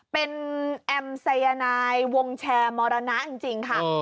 เป็นแอมไซยานายวงแชร์มรณะจริงจริงค่ะเออ